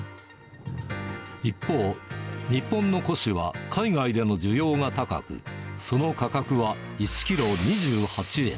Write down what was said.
一方、日本の古紙は海外での需要が高く、その価格は１キロ２８円。